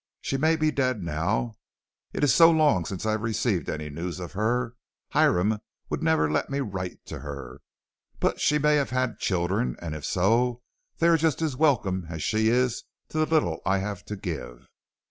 She may be dead now, it is so long since I received any news of her, Hiram would never let me write to her, but she may have had children, and if so, they are just as welcome as she is to the little I have to give.'